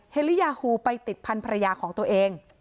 เฮลียาฮูไปติดพันธรรยาของตัวเอง